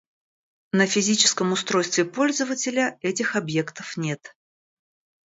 На физическом устройстве пользователя этих объектов нет